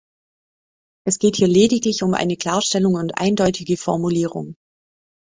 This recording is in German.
Es geht hier lediglich um eine Klarstellung und eindeutige Formulierung.